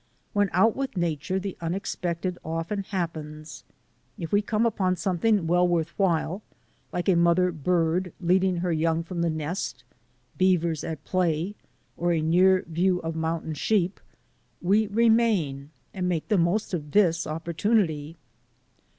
When out with nature the unexpected often happens. If we come upon something well worth while — like a mother bird leading her young from the nest, beavers at play, or a near view of moun tain sheep — we remain and make the most of this opportunity.